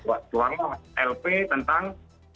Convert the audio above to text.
buat suara lv tentang